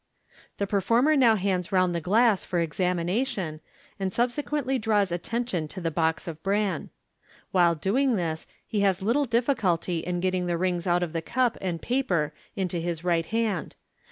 The performer now hands round the glass for examination, and subsequently draws attention to the box of bran. While doing this he has little difficulty in getting the rings out of the cup and papei into his right hand.